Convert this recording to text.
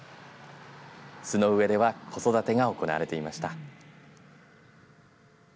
巣の上では子育てが行われていました。